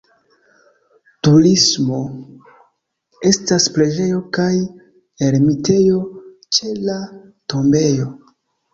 Turismo: estas preĝejo kaj ermitejo ĉe la tombejo.